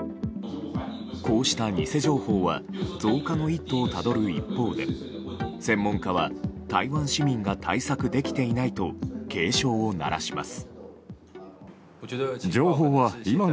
こうした偽情報は増加の一途をたどる一方で専門家は台湾市民が対策できていないと警鐘を鳴らします。